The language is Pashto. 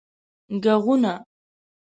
ږغونه